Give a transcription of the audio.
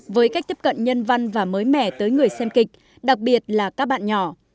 với cách tiếp cận nhân văn và mới mẻ tới người xem kịch đặc biệt là các bạn nhỏ